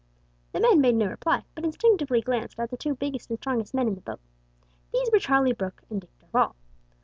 The men made no reply, but instinctively glanced at the two biggest and strongest men in the boat. These were Charlie Brooke and Dick Darvall.